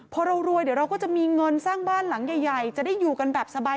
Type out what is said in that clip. พอเรารวยเดี๋ยวเราก็จะมีเงินสร้างบ้านหลังใหญ่จะได้อยู่กันแบบสบาย